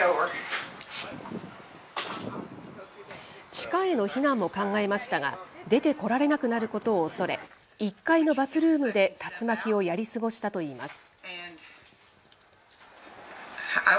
地下への避難も考えましたが、出てこられなくなることを恐れ、１階のバスルームで竜巻をやり過ごしたといいます。